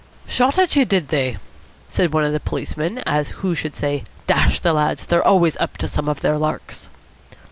"Shot at you, did they?" said one of the policemen, as who should say, "Dash the lads, they're always up to some of their larks."